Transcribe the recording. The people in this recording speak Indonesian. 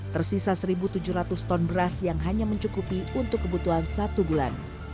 tersisa satu tujuh ratus ton beras yang hanya mencukupi untuk kebutuhan satu bulan